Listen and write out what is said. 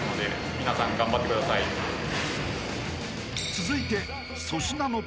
［続いて］